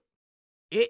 えっ？